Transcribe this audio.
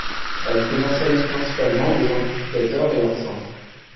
Elle commercialise principalement des amplificateurs et enceintes.